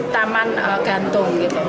taman gantung gitu